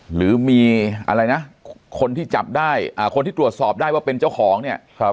หรือมีอะไรนะคนที่จับได้คนที่ตรวจสอบได้ว่าเป็นเจ้าของเนี่ย